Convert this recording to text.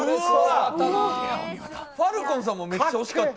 ファルコンさんもめっちゃ惜しかった。